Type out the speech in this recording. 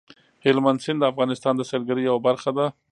هلمند سیند د افغانستان د سیلګرۍ یوه برخه ده.